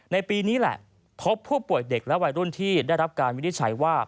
ในปีนี้แหละพบผู้ป่วยเด็กและวัยรุ่นที่ได้รับการวินิจฉัยว่า